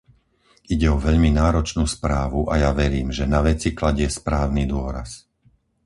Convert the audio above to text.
Ide o veľmi náročnú správu a ja verím, že na veci kladie správny dôraz.